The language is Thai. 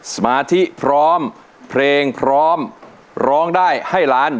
สมาธิพร้อมเพลงพร้อมร้องได้ให้ล้าน